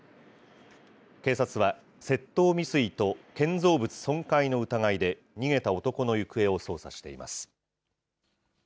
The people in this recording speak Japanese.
警察は、窃盗未遂と建造物損壊の疑いで、逃げた男の行方を捜査しています。